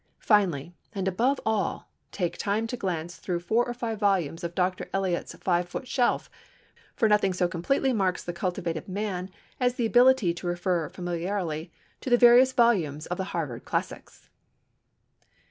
Finally, and above all, take time to glance through four or five volumes of Dr. Eliot's Five Foot Shelf, for nothing so completely marks the cultivated man as the ability to refer familiarly to the various volumes of the Harvard classics.